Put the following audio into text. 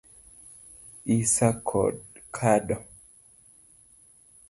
Iso kado